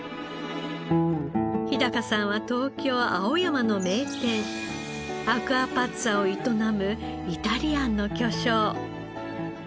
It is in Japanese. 日さんは東京青山の名店アクアパッツァを営むイタリアンの巨匠。